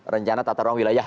rencana tata ruang wilayah